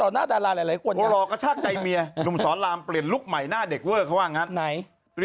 หน้าแต่ไขผิดีก้อนเป็นอะไรกันเหรอ